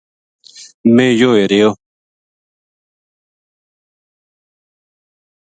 میں یوہ ہِریو